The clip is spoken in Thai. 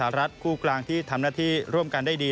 ไม่มีธนบุญเกษารัฐคู่กลางที่ทำหน้าที่ร่วมกันได้ดี